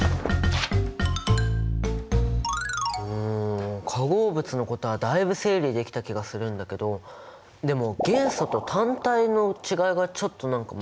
うん化合物のことはだいぶ整理できた気がするんだけどでも元素と単体の違いがちょっと何か紛らわしいんだよね。